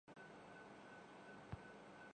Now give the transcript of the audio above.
آگے ہوتا ہے۔